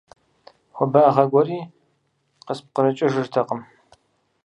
Хуабагъэ гуэри къыспкърыкӀыжыртэкъым.